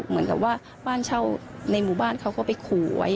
เหมือนกับว่าบ้านเช่าในหมู่บ้านเขาก็ไปขู่ไว้